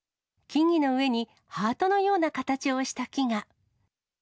木々の上に、ハートのような形をした木が。